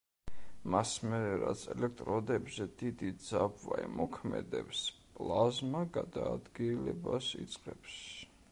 მას მერე, რაც ელექტროდებზე დიდი ძაბვა იმოქმედებს, პლაზმა გადაადგილებას იწყებს.